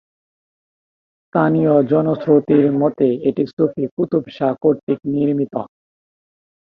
স্থানীয় জনশ্রুতি মতে এটি সুফি কুতুবশাহ কর্তৃক নির্মিত।